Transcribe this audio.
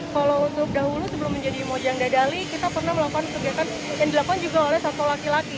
kalau untuk dahulu sebelum menjadi mojang dadali kita pernah melakukan kegiatan yang dilakukan juga oleh satu laki laki